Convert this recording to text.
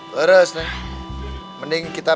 terus neng mending kita